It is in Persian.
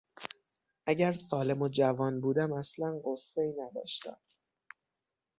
اگر سالم و جوان بودم اصلا غصهای نداشتم.